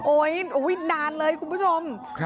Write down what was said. นานเลยคุณผู้ชม